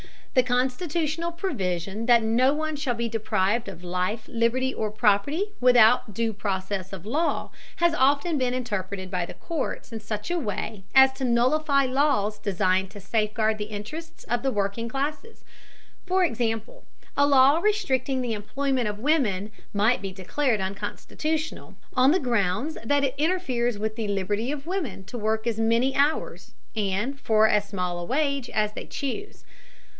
The constitutional provision [Footnote: See the fifth amendment to the Federal Constitution, Appendix.] that no one shall be deprived of life, liberty, or property without due process of law has often been interpreted by the courts in such a way as to nullify laws designed to safeguard the interests of the working classes. For example, a law restricting the employment of women might be declared unconstitutional on the grounds that it interferes with the "liberty" of women to work as many hours, and for as small a wage, as they choose.